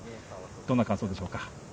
どんな感想でしょうか。